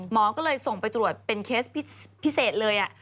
ก็เลยส่งไปตรวจเป็นเคสพิเศษเลย